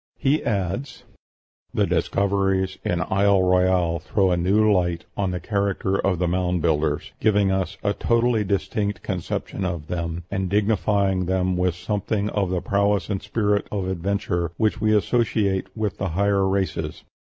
He adds, "The discoveries in Isle Royale throw a new light on the character of the 'Mound Builders,' giving us a totally distinct conception of them, and dignifying them with something of the prowess and spirit of adventure which we associate with the higher races.